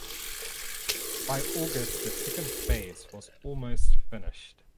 By August the second phase was almost finished.